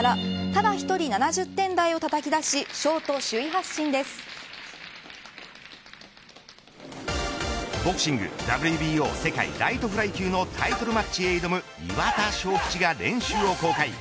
ただ１人７０点台をたたき出しボクシングＷＢＯ世界ライトフライ級のタイトルマッチへ挑む岩田翔吉が練習を公開。